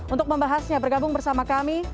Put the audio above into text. untuk membahasnya bergabung bersama kami